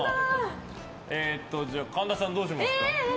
神田さん、どうしますか。